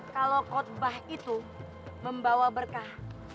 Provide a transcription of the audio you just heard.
kalau khutbah itu membawa berkah